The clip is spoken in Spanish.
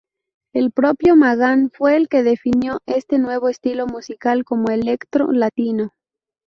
El propio Magán fue el que definió este nuevo estilo musical como Electro Latino.